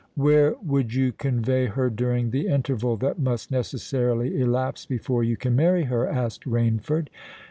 "Where would you convey her during the interval that must necessarily elapse before you can marry her?" asked Rainford.